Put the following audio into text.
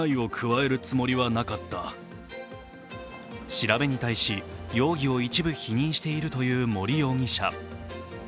調べに対し容疑を一部否認しているという森容疑者。